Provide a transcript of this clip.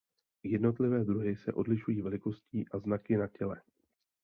Jednotlivé druhy se odlišují velikostí a znaky na těle.